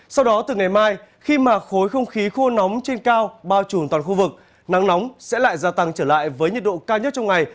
sau đó từ ngày mai khi mà khối không khí khô nóng trên cao bao trùm toàn khu vực nắng nóng sẽ lại gia tăng trở lại với nhiệt độ cao nhất trong ngày